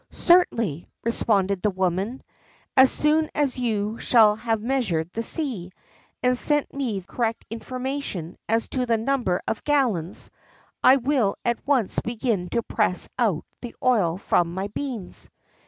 "Certainly," responded the woman; "as soon as you shall have measured the sea, and sent me correct information as to the number of gallons, I will at once begin to press out the oil from my beans."